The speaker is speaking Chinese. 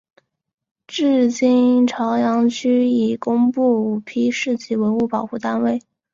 至今潮阳区已公布五批市级文物保护单位。